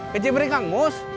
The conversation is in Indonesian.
kecimpring kang uus